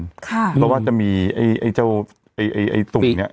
เพราะว่าจะมีไอ้เจ้าไอ้ตุ่มเนี่ย